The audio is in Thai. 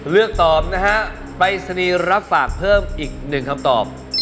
เลือกตอบนะฮะปรายศนีย์รับฝากเพิ่มอีกหนึ่งคำตอบ